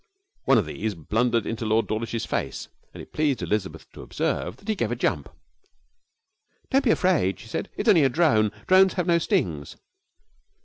One of these blundered into Lord Dawlish's face, and it pleased Elizabeth to observe that he gave a jump. 'Don't be afraid,' she said, 'it's only a drone. Drones have no stings.'